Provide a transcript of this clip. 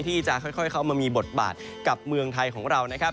ที่จะค่อยเข้ามามีบทบาทกับเมืองไทยของเรานะครับ